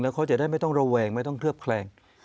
เขาจะได้ไม่ต้องระแวงไม่ต้องเคลือบแคลง